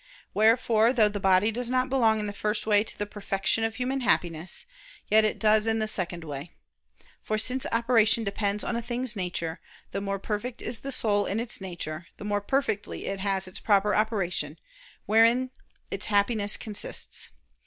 Wherefore though the body does not belong in the first way to the perfection of human Happiness, yet it does in the second way. For since operation depends on a thing's nature, the more perfect is the soul in its nature, the more perfectly it has its proper operation, wherein its happiness consists.